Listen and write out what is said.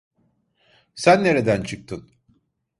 Sen nereden çıktın?